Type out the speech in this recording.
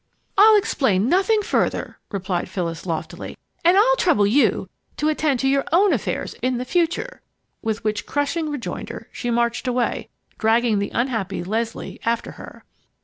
"I'll explain nothing further," replied Phyllis, loftily, "and I'll trouble you to tend to your own affairs in the future!" With which crushing rejoinder she marched away, dragging the unhappy Leslie after her.